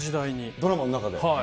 ドラマの中で？